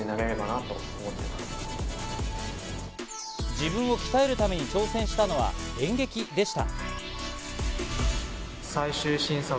自分を鍛えるために挑戦したのは演劇でした。